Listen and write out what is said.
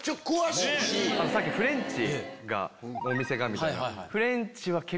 さっきフレンチのお店がみたいな。